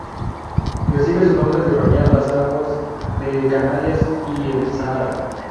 Recibe su nombre de bañar las aguas de Canarias y el Sáhara.